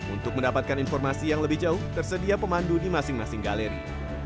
untuk mendapatkan informasi yang lebih jauh tersedia pemandu di masing masing galeri